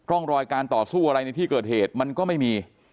ร่องรอยการต่อสู้อะไรในที่เกิดเหตุมันก็ไม่มี